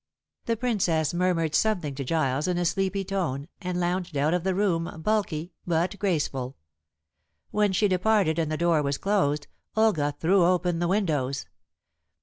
The Princess murmured something to Giles in a sleepy tone, and lounged out of the room bulky but graceful. When she departed and the door was closed, Olga threw open the windows.